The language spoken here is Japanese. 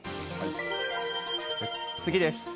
次です。